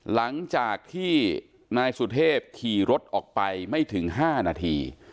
หลังจากที่นายสุเทพขี่รถออกไปไม่ถึง๕นาที